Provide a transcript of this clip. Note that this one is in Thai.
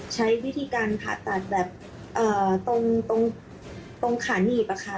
ใช้วิธีการผ่าตัดแบบตรงขาหนีบอะค่ะ